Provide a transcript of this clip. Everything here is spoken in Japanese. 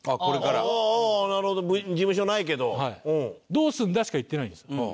「どうすんだ？」しか言ってないんですよ。